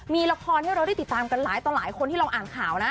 มีละครให้เราได้ติดตามกันหลายต่อหลายคนที่เราอ่านข่าวนะ